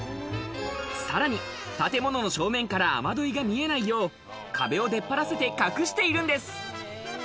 さらに建物の正面から雨樋が見えないよう、壁を出っぱらせて隠しているんです。